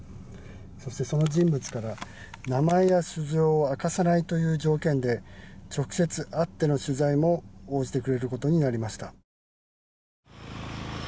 そしてその人物から名前や素性を明かさない条件で直接会っての取材も応じてくれることになりました。